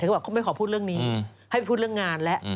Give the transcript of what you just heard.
เธอก็บอกไม่ขอพูดเรื่องนี้ให้พูดเรื่องงานแหละ